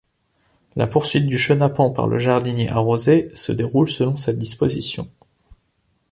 La poursuite du chenapan par le jardinier arrosé se déroule selon cette disposition.